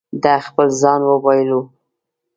ده خپل ځان وبایلو.